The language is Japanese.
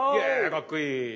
かっこいい！